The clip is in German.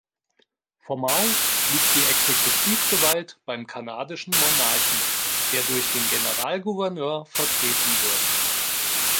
Formal liegt die Exekutivgewalt beim kanadischen Monarchen, der durch den Generalgouverneur vertreten wird.